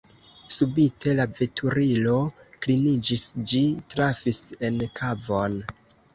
Subite la veturilo kliniĝis: ĝi trafis en kavon.